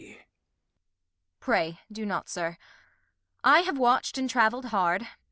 Kent. Pray do not, Sir I have watcht and traveU'd hard.